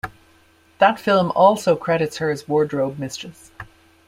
That film also credits her as wardrobe mistress.